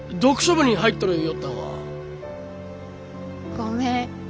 ごめん。